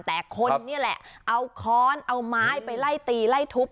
แต่คนนี่แหละเอาค้อนเอาไม้ไปไล่ตีไล่ทุบ